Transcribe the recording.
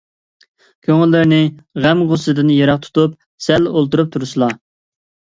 كۆڭۈللىرىنى غەم - غۇسسىدىن يىراق تۇتۇپ، سەل ئولتۇرۇپ تۇرسىلا.